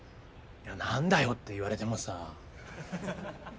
いや「何だよ？」って言われてもさ。